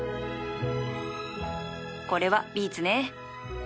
これはビーツね